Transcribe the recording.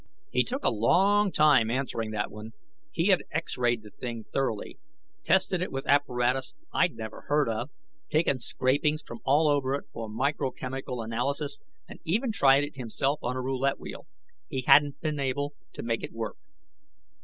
He took a long time answering that one. He had X rayed the thing thoroughly, tested it with apparatus I'd never heard of, taken scrapings from all over it for microchemical analysis, and even tried it himself on a roulette wheel. He hadn't been able to make it work.